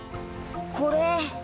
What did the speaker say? これ！